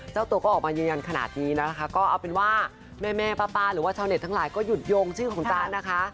เจ้าตัวก็ออกมายืนยันขนาดนี้นะคะก็เอาเป็นว่าแม่ป้าหรือว่าชาวเน็ตทั้งหลายก็หยุดโยงชื่อของจ๊ะนะคะ